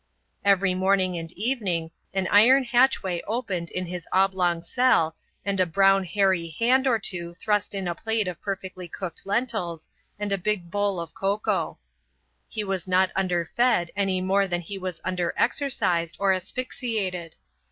Every morning and evening an iron hatchway opened in his oblong cell, and a brown hairy hand or two thrust in a plate of perfectly cooked lentils and a big bowl of cocoa. He was not underfed any more than he was underexercised or asphyxiated.